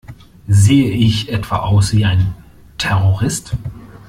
Sehe ich etwa aus wie ein Terrorist?